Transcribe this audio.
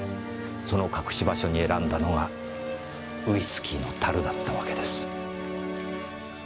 その隠し場所に選んだのがウィスキーの樽だったわけです。